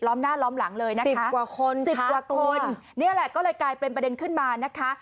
หน้าล้อมหลังเลยนะคะสิบกว่าคนสิบกว่าคนนี่แหละก็เลยกลายเป็นประเด็นขึ้นมานะคะ